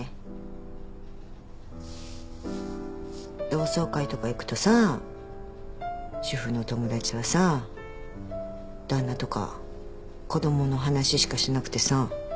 同窓会とか行くとさ主婦の友達はさ旦那とか子供の話しかしなくてさ。